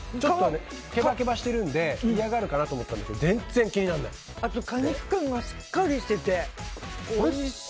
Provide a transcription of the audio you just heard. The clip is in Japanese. ケバケバしてるので嫌がるかなと思ったけどあと果肉感がしっかりしてておいしい！